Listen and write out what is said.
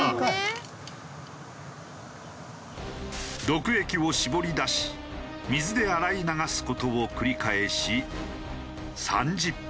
毒液を絞り出し水で洗い流す事を繰り返し３０分。